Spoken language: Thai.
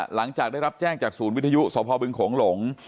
หลังจากได้รับแจ้งจากศูนย์วิทยุสพบึงโขงหลง